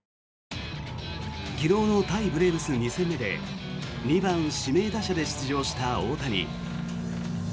昨日の対ブレーブス２戦目で２番指名打者で出場した大谷。